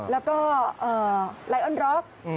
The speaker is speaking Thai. แล้วก็ไลออนร็อก